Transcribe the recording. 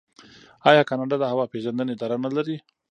آیا کاناډا د هوا پیژندنې اداره نلري؟